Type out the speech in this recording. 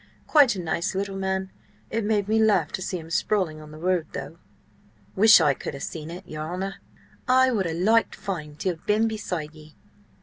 Quite a nice little man. .. It made me laugh to see him sprawling on the road, though!" "Wish I could have seen it, your honour. I would ha' liked fine to ha' been beside ye."